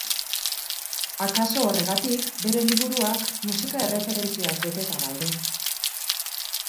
Akaso horregatik, bere liburuak musika erreferentziaz beteta daude.